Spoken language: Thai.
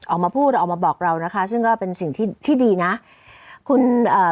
ออกมาพูดออกมาบอกเรานะคะซึ่งก็เป็นสิ่งที่ที่ดีนะคุณเอ่อ